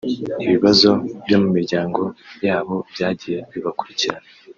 ibibazo byo mumiryango yabo byagiye bibakurikirana